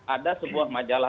ada sebuah majalah